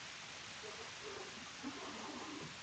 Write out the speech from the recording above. Halaber, gidabaimena urtebete eta lau urte artean kenduko diote.